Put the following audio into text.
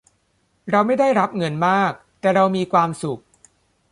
เราไม่ได้รับเงินมาก แต่เรามีความสุข